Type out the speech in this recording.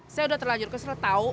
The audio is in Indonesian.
saya udah terlanjur kesel tau